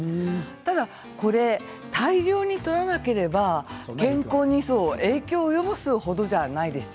ただこれ大量にとらなければ健康に影響を及ぼすほどじゃないんです。